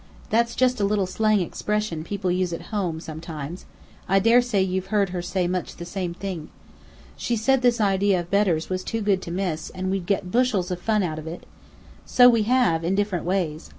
That's just a little slang expression, people use at home, sometimes. I daresay you've heard her say much the same thing. She said this idea of Bedr's was too good to miss, and we'd get bushels of fun out of it. So we have in different ways.